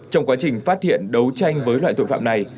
trong quá trình phát hiện đấu tranh với loại tội phạm này